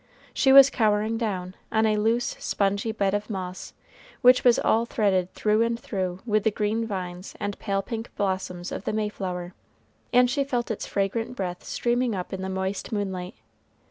She was cowering down, on a loose, spongy bed of moss, which was all threaded through and through with the green vines and pale pink blossoms of the mayflower, and she felt its fragrant breath streaming up in the moist moonlight.